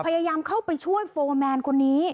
พยายามเข้าไปช่วยโฟร์แมนคนนี้